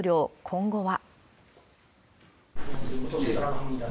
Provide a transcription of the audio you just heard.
今後は。